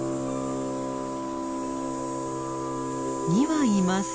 ２羽います。